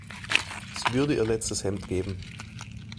Sie würde ihr letztes Hemd geben.